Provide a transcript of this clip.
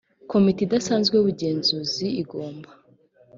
komite idasanzwe y ubugenzuzi igomba